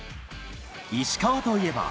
石川といえば。